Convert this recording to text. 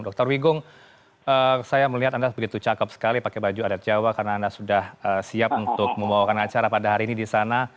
dr wigung saya melihat anda begitu cakep sekali pakai baju adat jawa karena anda sudah siap untuk membawakan acara pada hari ini di sana